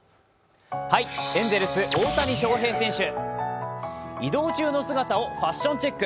エンゼルス、大谷翔平選手。